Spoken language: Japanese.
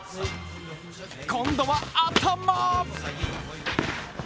今度は頭。